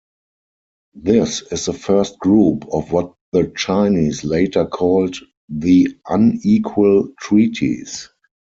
This is the first group of what the Chinese later called the "unequal treaties".